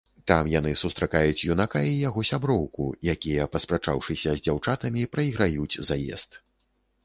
Там яны сустракаюць юнака і яго сяброўку, якія, паспрачаўшыся з дзяўчатамі, прайграюць заезд.